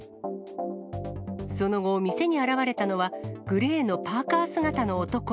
その後、店に現れたのはグレーのパーカー姿の男。